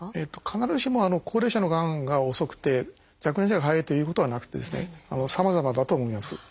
必ずしも高齢者のがんが遅くて若年者が早いというということはなくてさまざまだと思います。